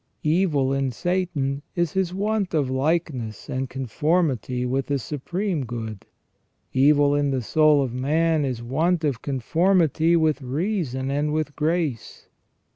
Evil in Satan is his want of likeness and conformity with the Supreme Good. Evil in the soul of man is want of conformity with reason and with grace.